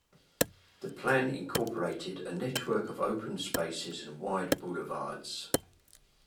The plan incorporated a network of open spaces and wide boulevards.